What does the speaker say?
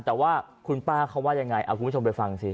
แต่ว่าคุณป้าเขาว่ายังไงเอาคุณผู้ชมไปฟังสิ